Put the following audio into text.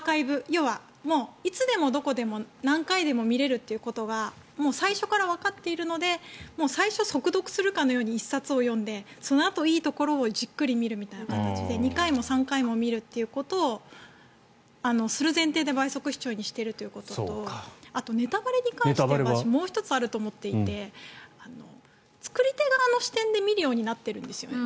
いつでもどこでも何回でも見られるということが最初からわかっているので最初、速読するかのように１冊を読んで、そのあといいところをじっくり見るみたいな形で２回も３回も見るということをする前提で倍速視聴にしているということとあと、ネタバレに関してはもう１つあると思っていて作り手側の視点で見るようになっているんですよね。